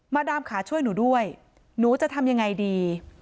ดามขาช่วยหนูด้วยหนูจะทำยังไงดี